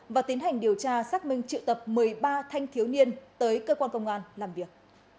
và tiến hành điều tra xác minh triệu tập một mươi ba thanh thiếu niên tới cơ quan công an làm việc